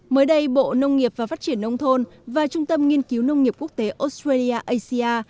mới đây bộ nông nghiệp và phát triển nông thôn và trung tâm nghiên cứu nông nghiệp quốc tế australia asia